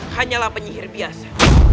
hanyalah penyihir biasa